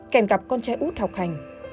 kèm cặp con trai út học hành